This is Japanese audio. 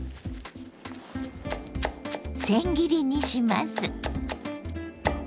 せん切りにします。